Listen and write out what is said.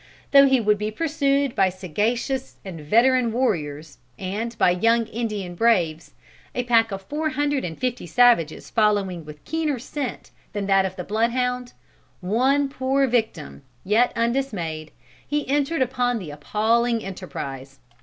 Though he would be pursued by sagacious and veteran warriors and by young Indian braves, a pack of four hundred and fifty savages following with keener scent than that of the bloodhound, one poor victim, yet undismayed, he entered upon the appalling enterprise.